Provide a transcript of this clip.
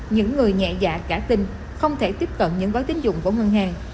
những người nhẹ dạ cả tình không thể tiếp cận những gói tính dụng của ngân hàng